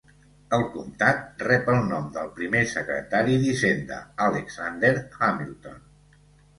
El comtat rep el nom del primer secretari d"hisenda, Alexander Hamilton.